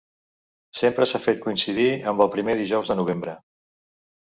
Sempre s'ha fet coincidir amb el primer dijous de novembre.